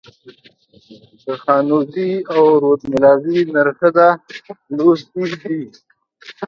د خانوزۍ او رودملازۍ نر ښځه لوستي دي.